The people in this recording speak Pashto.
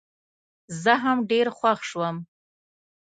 زه هم ډېر خوښ شوم.